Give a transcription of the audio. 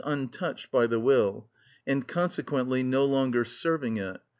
_, untouched by the will, and consequently no longer serving it.